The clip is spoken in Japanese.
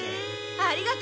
ありがとう！